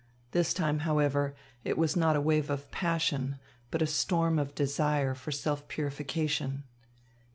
This time, however, it was not a wave of passion, but a storm of desire for self purification.